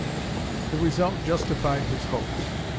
The result justified his hopes.